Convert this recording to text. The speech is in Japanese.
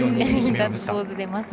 ガッツポーズ出ました。